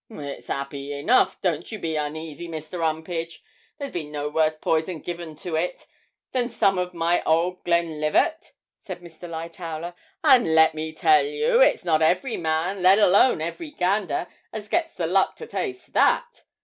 'It's 'appy enough; don't you be uneasy, Mr. 'Umpage, there's been no worse poison given to it than some of my old Glenlivat,' said Mr. Lightowler; 'and, let me tell you, it's not every man, let alone every gander, as gets the luck to taste that.